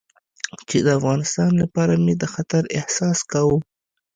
چې د افغانستان لپاره مې د خطر احساس کاوه.